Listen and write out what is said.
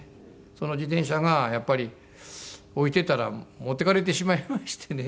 その自転車がやっぱり置いてたら持っていかれてしまいましてね。